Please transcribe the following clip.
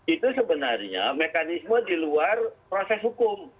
itu sebenarnya mekanisme di luar proses hukum